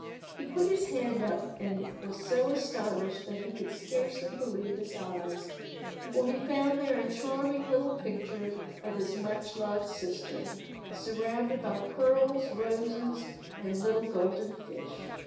He put his hand up, and was so astonished that he could scarcely believe his eyes, for he found there a charming little picture of his much loved sister, surrounded by pearls, roses, and little golden fish.